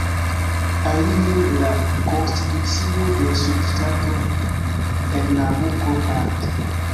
Alie, la konstitucio de subŝtato Pernambuko, art.